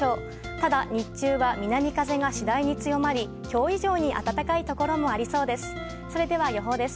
ただ、日中は南風が次第に強まり今日以上に暖かいところもありそうです。